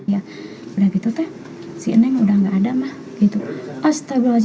ya udah gitu teh si neng udah gak ada mah